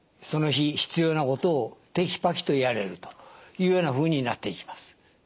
その日必要なことをテキパキとやれるというようなふうになっていきます。